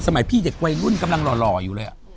พี่เด็กวัยรุ่นกำลังหล่ออยู่เลย